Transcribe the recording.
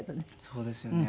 そうですよね。